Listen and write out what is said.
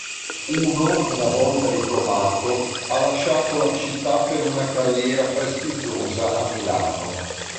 Uno, una volta diplomato, ha lasciato la città per una carriera prestigiosa a Milano.